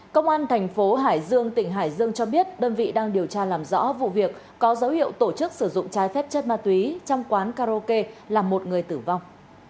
công an thành phố hải dương tỉnh hải dương cho biết đơn vị đang điều tra làm rõ vụ việc có dấu hiệu tổ chức sử dụng trái phép chất ma túy trong quán karaoke làm một người tử vong